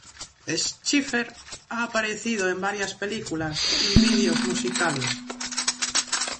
Schiffer ha aparecido en varias películas y videos musicales.